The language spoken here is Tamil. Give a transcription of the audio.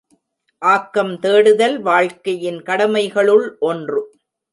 ஆக்கம் தேடுதல் வாழ்க்கையின் கடமைகளுள் ஒன்று.